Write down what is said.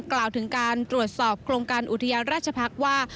กล่าวถึงการตรวจสอบโครงการอุทยานราชพักษ์ว่า